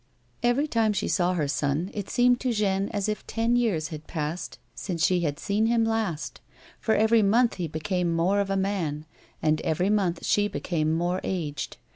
Every time she saw her son, it seemed to Jeanne as if ten years had passed since she had seen him last ; for every month he became more of a man, and every month she be came more aged.